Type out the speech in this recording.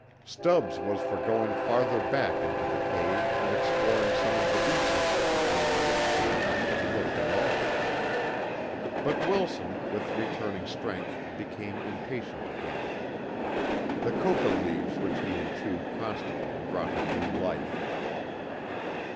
Stubbs was for going farther back into the cave and exploring some of the recesses into which they had not yet looked at all. But Wilson, with returning strength, became impatient again. The coca leaves which he had chewed constantly brought him new life.